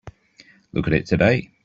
Look at it today.